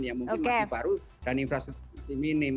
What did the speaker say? yang mungkin masih baru dan infrastruktur masih minim